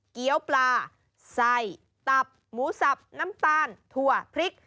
เกี้ยวปลาไส้ตับหมูสับน้ำตาลถั่วพริก